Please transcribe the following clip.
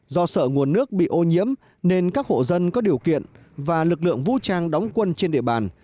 do sợ nguồn nước bị ô nhiễm nên các hộ dân có điều kiện và lực lượng vũ trang đóng quân trên địa bàn